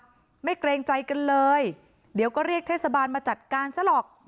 แต่จังหวะที่ผ่านหน้าบ้านของผู้หญิงคู่กรณีเห็นว่ามีรถจอดขวางทางจนรถผ่านเข้าออกลำบาก